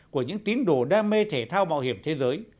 của những tín đồ đam mê thể thao bảo hiểm thế giới